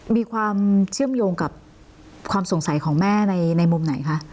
มีความเชื่อมโยงกับความสงสัยของแม่ในมุมไหนคะ